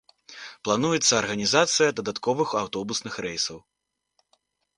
Плануецца арганізацыя дадатковых аўтобусных рэйсаў.